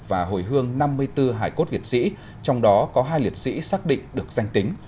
và hồi hương năm mươi bốn hải cốt liệt sĩ trong đó có hai liệt sĩ xác định được danh tính